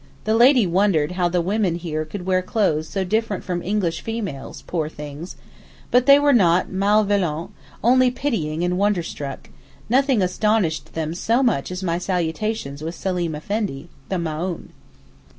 The lady wondered how the women here could wear clothes 'so different from English females—poor things!' but they were not malveillants, only pitying and wonderstruck—nothing astonished them so much as my salutations with Seleem Effendi, the Maōhn.